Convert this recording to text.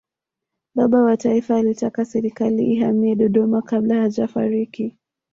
baba wa taifa alitaka serikali ihamie dodoma kabla hajafariki